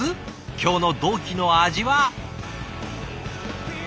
今日の同期の味は。